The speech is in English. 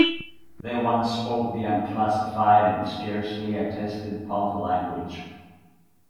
They once spoke the unclassified and scarcely attested Palta language.